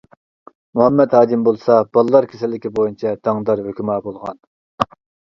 مۇھەممەت ھاجىم بولسا بالىلار كېسەللىكى بويىچە داڭدار ھۆكۈما بولغان.